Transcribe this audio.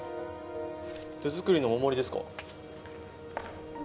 手作りのお守りですか？